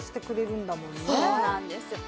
そうなんです。